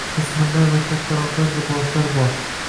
O‘smirlar va kattaroqlar liboslar bor.